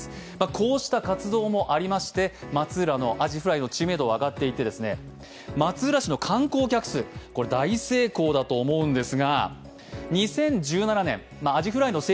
こうした活動もありまして松浦のアジフライの知名度が上がっていまして、観光客数これ、大成功だと思います。